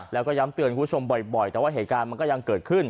แล้วก็ย้ำเตือนคุณผู้ชมบ่อยแต่ว่าเหตุการณ์มันก็ยังเกิดขึ้น